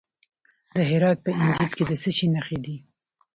د هرات په انجیل کې د څه شي نښې دي؟